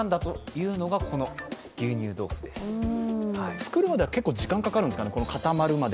作るまでは結構時間がかかるんですか。